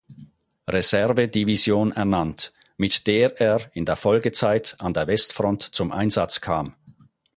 Reserve-Division ernannt, mit der er in der Folgezeit an der Westfront zum Einsatz kam.